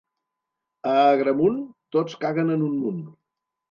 A Agramunt tots caguen en un munt.